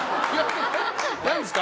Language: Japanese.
何ですか？